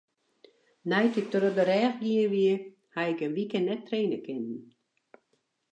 Nei't ik troch de rêch gien wie, haw ik in wike net traine kinnen.